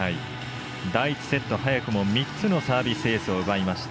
第１セット早くも３つのサービスエースを奪いました。